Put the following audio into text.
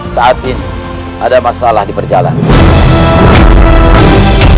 saat ini ada masalah di perjalanan